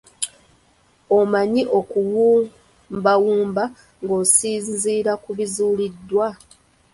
Omanyi okuwumbawumba ng'osinziira ku bizuuliddwa?